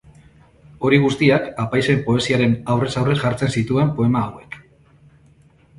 Hori guztiak apaizen poesiaren aurrez aurre jartzen zituen poema hauek.